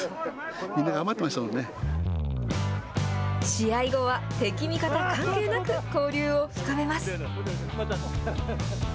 試合後は敵味方関係なく、交流を深めます。